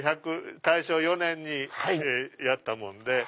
大正４年にやったもんで。